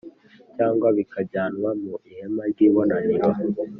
cyangwa bikajyanwa mu ihema ry’ibonaniro